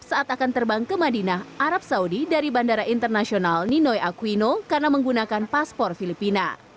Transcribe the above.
saat akan terbang ke madinah arab saudi dari bandara internasional ninoy aquino karena menggunakan paspor filipina